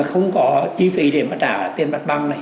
không có trí phí để trả tiền bạch băng này